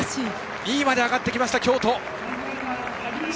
２位まで上がってきた京都。